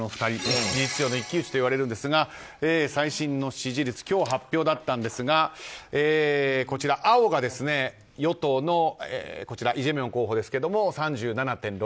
事実上の一騎打ちといわれていますが最新の支持率今日発表だったんですが青が与党のイ・ジェミョン候補３７．６。